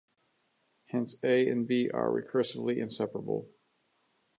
Hence "A" and "B" are recursively inseparable.